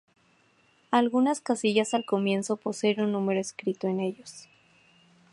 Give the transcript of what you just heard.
Algunas casillas al comienzo poseen un número escrito en ellos.